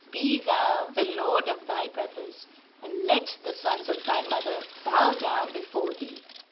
Be thou the lord of thy brothers, and let the sons of thy mother bow down before thee.